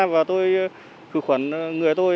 và tôi thử khuẩn người tôi